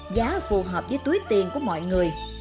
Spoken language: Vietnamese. giá phù hợp với túi tiền của mọi người